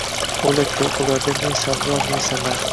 O’ylab ko’r, ularda ne savdo, samar